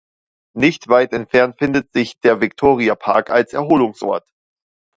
Nicht weit entfernt findet sich der Viktoriapark als Erholungsort.